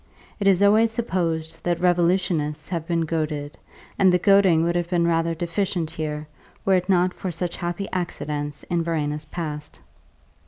It is always supposed that revolutionists have been goaded, and the goading would have been rather deficient here were it not for such happy accidents in Verena's past.